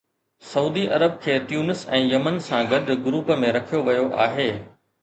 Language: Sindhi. سعودي عرب کي تيونس ۽ يمن سان گڏ گروپ ۾ رکيو ويو آهي